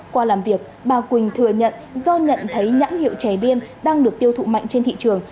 qua làm việc bà quỳnh thừa nhận do nhận thấy nhãn hiệu trái điên đang được tiêu thụ mạnh trên thị trường